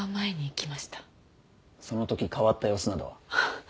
そのとき変わった様子などは？